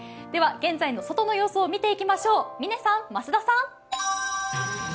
現在の外の様子を見ていきましょう、嶺さん、増田さん。